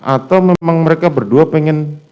atau memang mereka berdua pengen